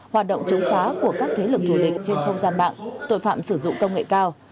hoạt động chống phá của các thế lực thù địch trên không gian mạng tội phạm sử dụng công nghệ cao